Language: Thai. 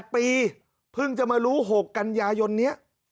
๘ปีเพิ่งจะมารู้๖กันยายนนี้